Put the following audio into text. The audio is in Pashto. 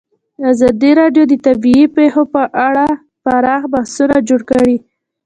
ازادي راډیو د طبیعي پېښې په اړه پراخ بحثونه جوړ کړي.